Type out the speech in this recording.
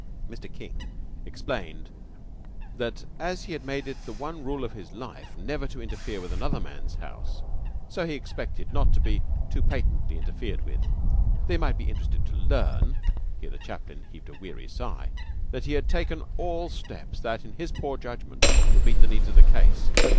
Mr. King explained that as he had made it the one rule of his life never to interfere with another man's house, so he expected not to be too patently interfered with. They might be interested to learn here the chaplain heaved a weary sigh that he had taken all steps that, in his poor judgment, would meet the needs of the case.